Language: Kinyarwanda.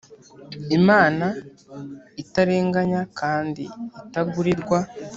imana itarenganya kandi itagurirwa,